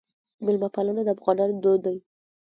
میلمه پالنه د افغانانو دود دی